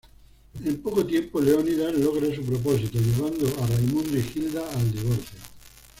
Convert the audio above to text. En poco tiempo Leónidas logra su propósito, llevando a Raymundo y Gilda al divorcio.